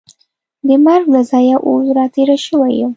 د مرګ له ځایه اوس را تېره شوې یم.